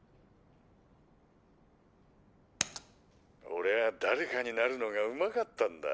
「オレはだれかになるのがうまかったんだ。